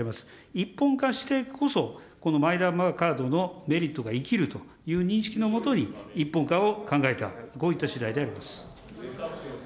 一本化してこそ、このマイナンバーカードのメリットが生きるという認識のもとに、一本化を考えた、こういったしだいであります。